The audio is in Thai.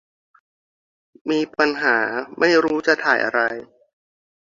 มีปัญหาไม่รู้จะถ่ายอะไร